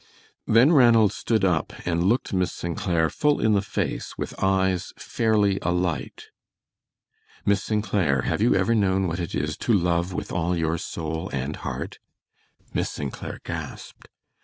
Then Ranald stood up and looked Miss St. Clair full in the face with eyes fairly alight. "Miss St. Clair, have you ever known what it is to love with all your soul and heart?" Miss St. Clair gasped.